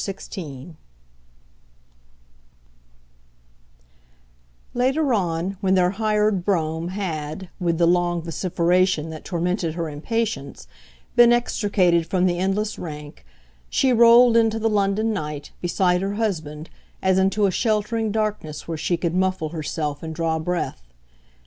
XVI Later on, when their hired brougham had, with the long vociferation that tormented her impatience, been extricated from the endless rank, she rolled into the London night, beside her husband, as into a sheltering darkness where she could muffle herself and draw breath.